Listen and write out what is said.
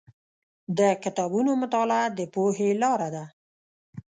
د کتابونو مطالعه د پوهې لاره ده.